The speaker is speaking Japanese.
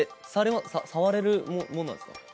触れるものなんですか？